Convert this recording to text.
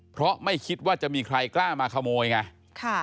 เพราะไม่คิดว่าจะมีใครกล้ามาขโมยไง